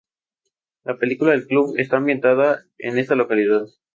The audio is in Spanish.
La película "El club" está ambientada en esta localidad.